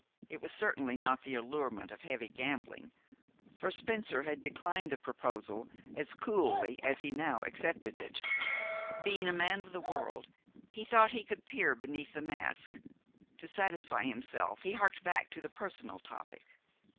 It was certainly not the allurement of heavy gambling, for Spencer had declined the proposal as coolly as he now accepted it. Being a man of the world, he thought he could peer beneath the mask. To satisfy himself, he harked back to the personal topic.